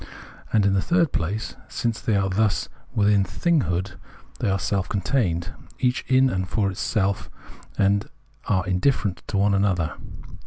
And, in the third place, since they are thus within " thinghood," they are self contained, each in and for itself, and are indifferent to one another.